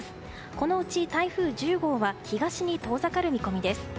このうち台風１０号は東に遠ざかる見込みです。